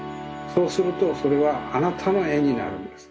そうするとそれはあなたのえになるんです。